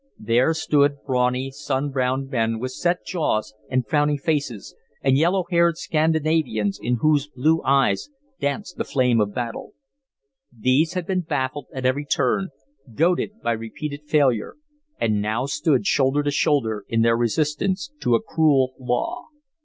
There stood brawny, sun browned men, with set jaws and frowning faces, and yellow haired Scandinavians in whose blue eyes danced the flame of battle. These had been baffled at every turn, goaded by repeated failure, and now stood shoulder to shoulder in their resistance to a cruel law.